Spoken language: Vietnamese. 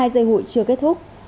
hai dây hụi chưa kết thúc